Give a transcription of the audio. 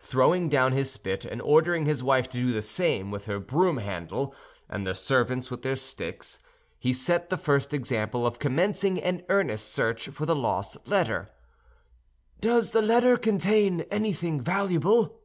Throwing down his spit, and ordering his wife to do the same with her broom handle, and the servants with their sticks, he set the first example of commencing an earnest search for the lost letter. "Does the letter contain anything valuable?"